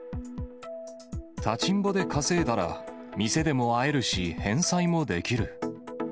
立ちんぼで稼いだら、店でも会えるし、返済もできる。